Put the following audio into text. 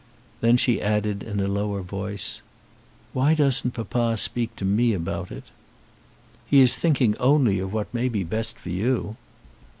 Then she added, in a lower voice: "Why doesn't papa speak to me about it?" "He is thinking only of what may be best for you."